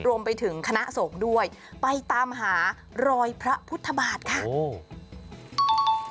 รวมไปถึงคณะศพโดยไปตามหารอยพระพุธบาตรค่ะโห